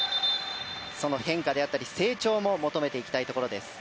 その変化であったり成長も求めていきたいところです。